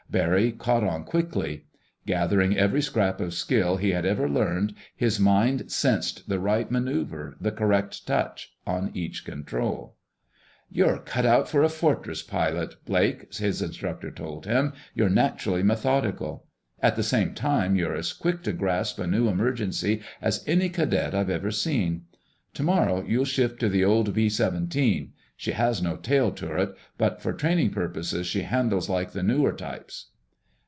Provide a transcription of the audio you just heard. Barry caught on quickly. Gathering every scrap of skill he had ever learned, his mind "sensed" the right maneuver, the correct touch on each control. [Illustration: Barry Learned the Correct Touch on Each Control] "You're cut out for a Fortress pilot, Blake," his instructor told him. "You're naturally methodical. At the same time you're as quick to grasp a new emergency as any cadet I've ever seen. Tomorrow you'll shift to the old B 17. She has no tail turret, but for training purposes she handles like the newer types."